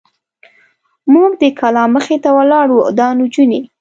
موږ د کلا مخې ته ولاړ و، دا نجونې.